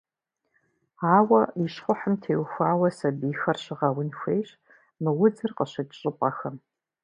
Ауэ, и щхъухьым теухуауэ сабийхэр щыгъэун хуейщ мы удзыр къыщыкӏ щӏыпӏэхэм.